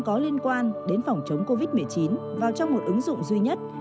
có liên quan đến phòng chống covid một mươi chín vào trong một ứng dụng duy nhất